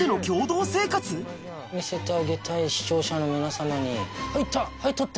見せてあげたい視聴者の皆様に入ったはい撮って！